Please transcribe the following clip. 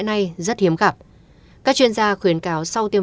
ba ngày đầu sau tiêm